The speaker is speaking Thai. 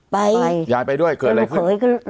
ไปยายไปด้วยเกิดอะไรขึ้น